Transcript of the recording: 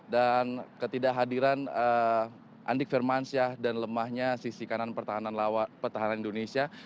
dan ketidakhadiran andik firmansyah dan lemahnya sisi kanan pertahanan indonesia